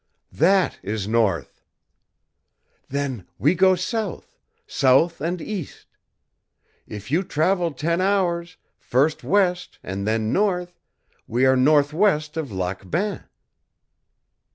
"That is north." "Then we go south south and east. If you traveled ten hours, first west and then north, we are northwest of Lac Bain."